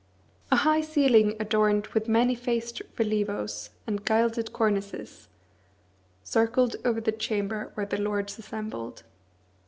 A high ceiling adorned with many faced relievos and gilded cornices, circled over the chamber where the Lords assembled.